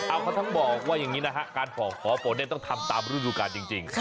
เอาคำบอกว่าอย่างนี้นะฮะการขอบพอเนต้องทำตามรูดุการจริง